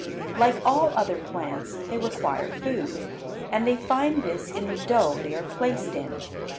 Like all other plants they require food, and they find this in the dough they are placed in.